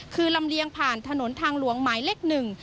คือลำเลียงผ่านถนนทางหลวงหมายเลขหนึ่ง